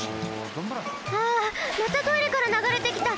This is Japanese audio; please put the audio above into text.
あまたトイレからながれてきた！